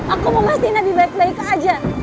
aku mau ngasihin abi baik baik aja